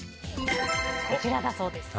こちらだそうです。